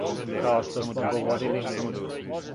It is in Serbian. Као што смо говорили.